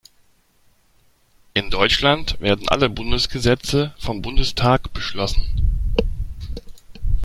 In Deutschland werden alle Bundesgesetze vom Bundestag beschlossen.